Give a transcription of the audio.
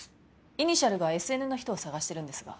イニシャルがＳＮの人を探してるんですが。